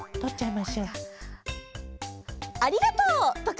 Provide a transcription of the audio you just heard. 「ありがとう！」とか。